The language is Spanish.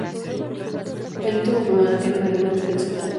El último premolar tiene una gran cúspide central.